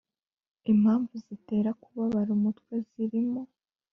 impamvu zitera kubabara umutwe zirimo